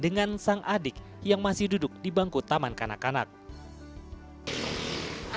sebagai seorang pembelajaran dia bisa mencari penyelesaian dan menemukan keuntungan di kawasan bukit duri